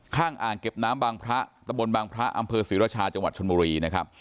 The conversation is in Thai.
อ่างเก็บน้ำบางพระตะบนบางพระอำเภอศรีรชาจังหวัดชนบุรีนะครับ